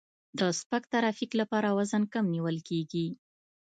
د سپک ترافیک لپاره وزن کم نیول کیږي